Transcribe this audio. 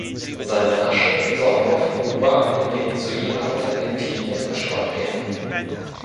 Seine Asche soll auf Kuba, in Venezuela und Argentinien verstreut werden.